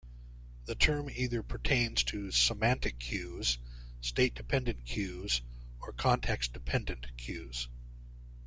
The term either pertains to "semantic cues", "state-dependent" cues or "context-dependent" cues.